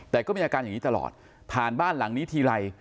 แต่ก็มีอาการอย่างนี้ตลอดผ่านบ้านหลังนี้ทีไร